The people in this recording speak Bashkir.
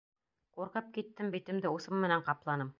Ҡурҡып киттем, битемде усым менән ҡапланым.